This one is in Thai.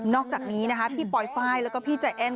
อกจากนี้นะคะพี่ปลอยไฟล์แล้วก็พี่ใจแอ้น